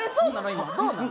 今どうなの？